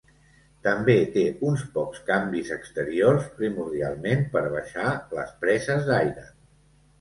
També té uns pocs canvis exteriors, primordialment per baixar les preses d'aire.